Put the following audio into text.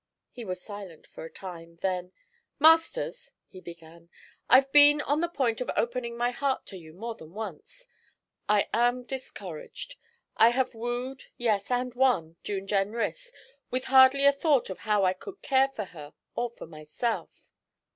He was silent for a time, then: 'Masters,' he began, 'I've been on the point of opening my heart to you more than once. I am discouraged. I have wooed, yes, and won, June Jenrys with hardly a thought of how I could care for her or for myself.